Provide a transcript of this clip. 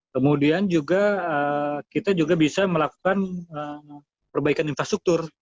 kemudian juga kita juga bisa melakukan perbaikan infrastruktur